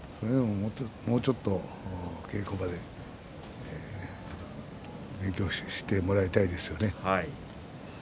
もうちょっと稽古場で勉強してもらいたいですよね。